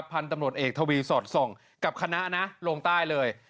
ีสองตำรวจเอกทวียยศรส่องกับคณะนะโลงใต้เลย